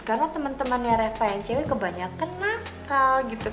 karena temen temennya reva yang cewek kebanyakan nakal gitu